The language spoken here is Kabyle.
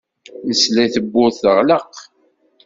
Nesla i tewwurt teɣleq.